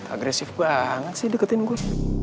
agresif banget sih deketin gue